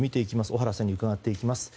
小原さんに伺っていきます。